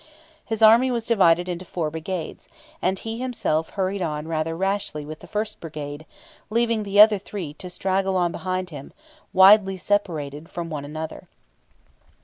His army was divided into four brigades, and he himself hurried on rather rashly with the first brigade, leaving the other three to straggle on behind him, widely separated from one another (Plate 4).